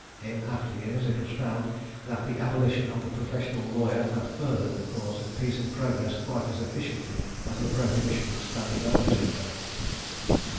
In after years it was found that the abolition of the professional lawyer had furthered the cause of peace and progress quite as efficiently as the prohibition of standing armies had done.